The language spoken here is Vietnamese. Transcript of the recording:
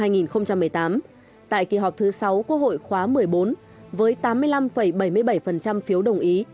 ngày hai mươi tháng một mươi một năm hai nghìn một mươi tám tại kỳ họp thứ sáu quốc hội khóa một mươi bốn với tám mươi năm bảy mươi bảy phiếu đồng ý